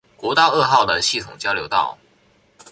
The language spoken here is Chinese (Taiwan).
國道二號的系統交流道